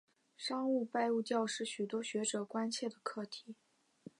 商品拜物教是许多学者关切的课题。